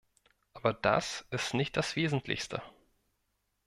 Aber das ist nicht das wesentlichste.